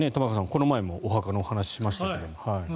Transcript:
この前もお墓の話しましたけど。